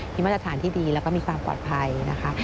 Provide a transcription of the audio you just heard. มีมาตรฐานที่ดีแล้วก็มีความปลอดภัยนะคะ